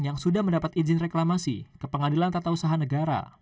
yang sudah mendapat izin reklamasi ke pengadilan tata usaha negara